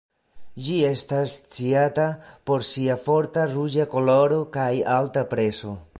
Ĝi estas sciata por sia forta ruĝa koloro kaj alta prezo.